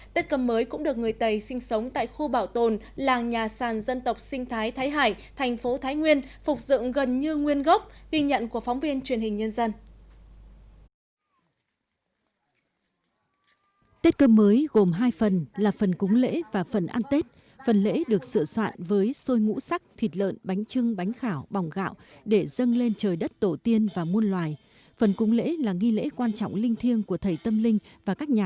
tết cơm mới cũng được người tây sinh sống tại khu bảo tồn làng nhà sàn dân tộc sinh thái thái hải thành phố thái nguyên phục dựng gần như nguyên gốc ghi nhận của phóng viên truyền hình nhân dân